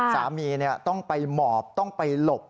สามีต้องไปหมอบต้องไปหลบ